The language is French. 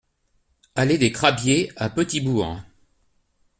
Allée des Crabiers à Petit-Bourg